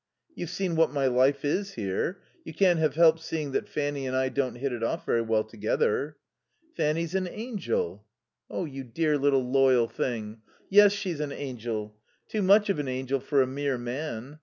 "You've seen what my life is here. You can't have helped seeing that Fanny and I don't hit it off very well together." "Fanny's an angel." "You dear little loyal thing.... Yes, she's an angel. Too much of an angel for a mere man.